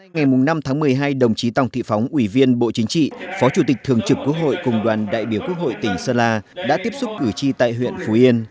ngày năm tháng một mươi hai đồng chí tòng thị phóng ủy viên bộ chính trị phó chủ tịch thường trực quốc hội cùng đoàn đại biểu quốc hội tỉnh sơn la đã tiếp xúc cử tri tại huyện phú yên